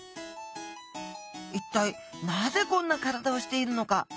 一体なぜこんな体をしているのか？